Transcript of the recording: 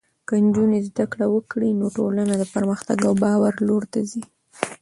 که نجونې زده کړه وکړي، نو ټولنه د پرمختګ او باور لور ته ځي.